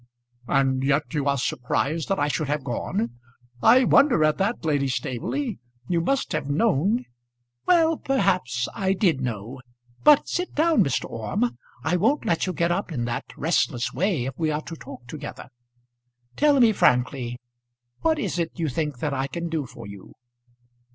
"And yet you are surprised that I should have gone! I wonder at that, Lady Staveley. You must have known " "Well; perhaps I did know; but sit down, Mr. Orme. I won't let you get up in that restless way, if we are to talk together. Tell me frankly; what is it you think that I can do for you?"